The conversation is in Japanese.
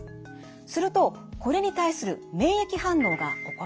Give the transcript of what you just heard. するとこれに対する免疫反応が起こります。